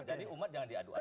jadi umat jangan diadu adu